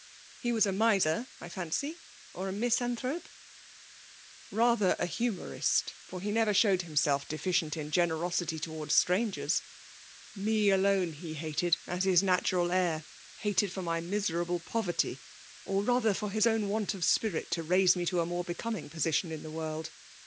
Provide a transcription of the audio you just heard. • He was a miser, I fancy, or a misan thrope ?" k3 202: FEMALE T^OUIVATIGS. BatBer, a humourist ; for he nerer showed himself deficient in generosity towards strAn gers. Me alone he hated^ as his natural heir ;. hated for my miserable poverty, or rather fiar his own want of spirit to raise me to a mate becoming position in the woiid.